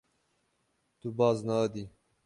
Tu baz nadî.